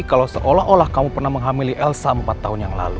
kalau seolah olah kamu pernah menghamili elsa empat tahun yang lalu